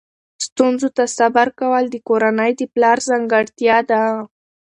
ستونزو ته صبر کول د کورنۍ د پلار ځانګړتیا ده.